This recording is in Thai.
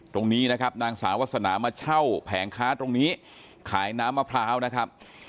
ตรงนี้นะครับนางสาววาสนามาเช่าแผงค้าตรงนี้ขายน้ำมะพร้าวนะครับ